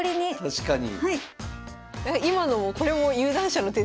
確かに。